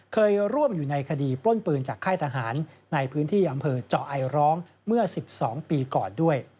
เคยร่วมอยู่ในคดีปล้นปืนจากค่ายทหารในพื้นที่อำเภอเจาะไอร้องเมื่อ๑๒ปีก่อนด้วย